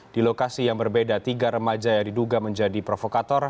di lokasi yang berbeda tiga remaja yang diduga menjadi provokator